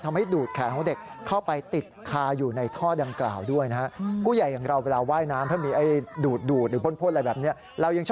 สนุกดีอะไรอย่างนี้เด็กเขาก็เห็นแบบนั้น